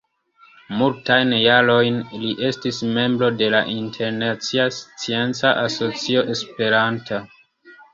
Multajn jarojn li estis membro de la Internacia Scienca Asocio Esperanta.